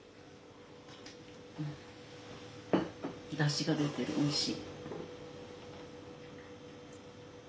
だしが出てるおいしい。